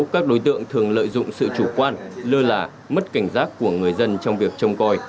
các đối tượng thường lợi dụng sự chủ quan lơ là mất cảnh giác của người dân trong việc trông coi